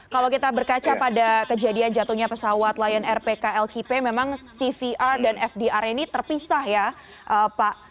kalau kita berkaca pada kejadian jatuhnya pesawat lion air pklkp memang cvr dan fdr ini terpisah ya pak